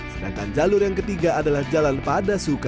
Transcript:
sedangkan jalur yang ketiga adalah jalan padasuka